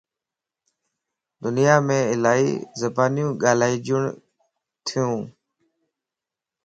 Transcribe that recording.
دنيا مَ الائي زبانيون ڳالھائيجھنتيون